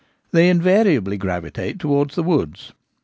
They invariably gravitate towards the woods.